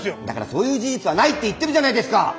だからそういう事実はないって言ってるじゃないですか！